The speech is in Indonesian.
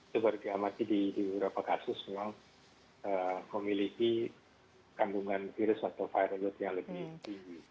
seperti diamati di beberapa kasus memang memiliki kandungan virus atau viral load yang lebih tinggi